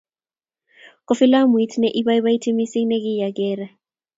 ko filamuit ne ibaibaiti mising ne kiya gere